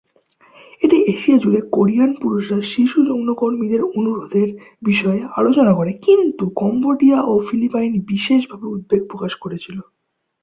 এতে এশিয়া জুড়ে কোরিয়ান পুরুষরা শিশু যৌনকর্মীদের অনুরোধের বিষয়ে আলোচনা করে, কিন্তু কম্বোডিয়া ও ফিলিপাইন বিশেষভাবে উদ্বেগ প্রকাশ করেছিল।